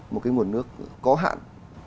một cái nguồn nước có hạn